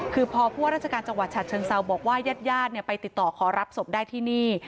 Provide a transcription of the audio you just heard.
คือพอผู้ว่าราชการจังหวัดฉะเชิงเซาบอกว่าญาติญาติไปติดต่อขอรับศพได้ที่นี่